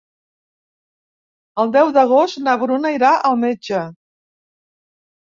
El deu d'agost na Bruna irà al metge.